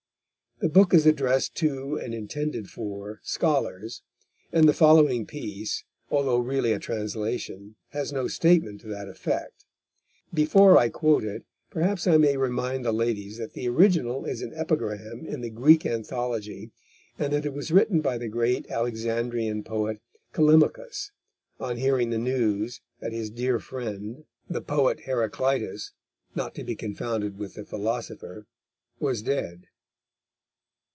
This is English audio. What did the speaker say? The book is addressed to and intended for scholars, and the following piece, although really a translation, has no statement to that effect. Before I quote it, perhaps I may remind the ladies that the original is an epigram in the Greek Anthology, and that it was written by the great Alexandrian poet Callimachus on hearing the news that his dear friend, the poet Heraclitus not to be confounded with the philosopher was dead.